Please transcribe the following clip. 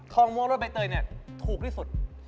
ทองมัวรถใบเตยถูกที่สุด